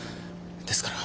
ですから。